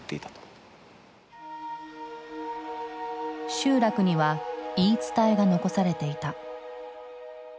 集落には言い伝えが残されていた。